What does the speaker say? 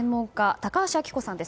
高橋暁子さんです。